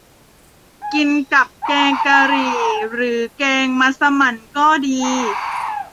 กินกับแกงกะหรี่ หรือแกงมัสหมั่นก็ดี